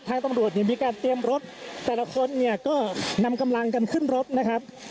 ตำรวจเนี่ยมีการเตรียมรถแต่ละคนเนี่ยก็นำกำลังกันขึ้นรถนะครับ